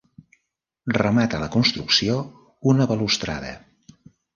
Remata la construcció una balustrada.